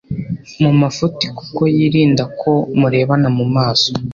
mu mafuti kuko yirinda ko murebana mu maso